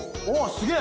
すげえ！